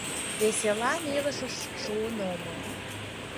Веселан илышыш шуын омыл.